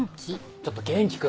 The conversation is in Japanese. ちょっと元気君！